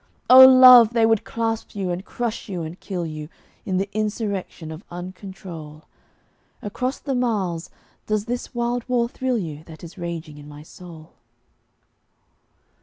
Oh, Love! they would clasp you and crush you and kill you, In the insurrection of uncontrol. Across the miles, does this wild war thrill you That is raging in my soul?